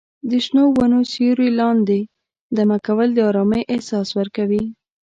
د شنو ونو سیوري لاندې دمه کول د ارامۍ احساس ورکوي.